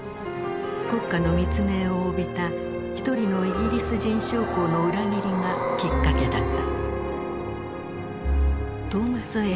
国家の密命を帯びた一人のイギリス人将校の裏切りがきっかけだった。